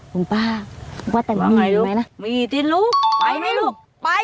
คุณป้าคุณป้าแต่มีไหมล่ะมีจริงไหมล่ะมีจริงลูกไปให้ลูกไป